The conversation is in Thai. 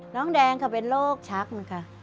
น้องแดงเป็นโรคชักค่ะ